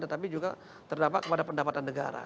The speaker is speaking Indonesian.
tetapi juga terdampak kepada pendapatan negara